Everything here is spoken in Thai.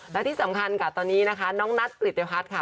และที่สำคัญกับตอนนี้นะคะน้องนัทกริษฐพาสค่ะ